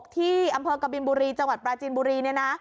ที่อำเภอกบินบุรีจังหวัดปราจินบุรี